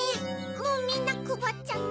もうみんなくばっちゃった。